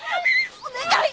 お願い！